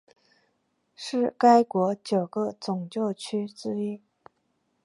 是该国九个总教区之一。